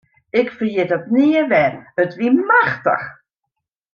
Ik ferjit it nea wer, it wie machtich.